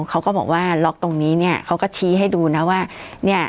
เขาก็บอกว่าล็อกตรงนี้เนี่ยเขาก็ชี้ให้ดูนะว่าเนี่ย